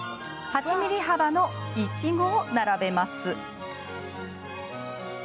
８ｍｍ幅のいちごを並べます。